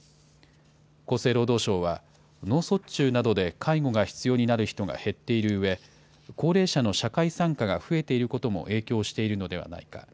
厚生労働省は、脳卒中などで介護が必要になる人が減っているうえ、高齢者の社会参加が増えていることも影響しているのではないか。